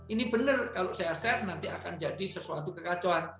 ini benar kalau saya share nanti akan jadi sesuatu kekacauan